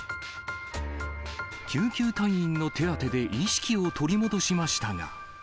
救急隊員の手当てで意識を取り戻しましたが。